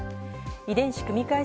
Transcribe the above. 遺伝子組み換え